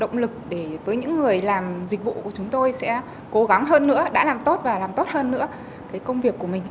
động lực để với những người làm dịch vụ của chúng tôi sẽ cố gắng hơn nữa đã làm tốt và làm tốt hơn nữa cái công việc của mình